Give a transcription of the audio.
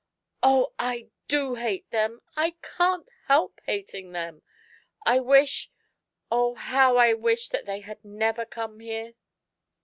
" Oh, I do hate them — I can't help hating them ! I wish — oh, how I wish that they had never come here